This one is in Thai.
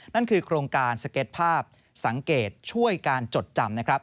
นั่นคือโครงการสเก็ตภาพสังเกตช่วยการจดจำนะครับ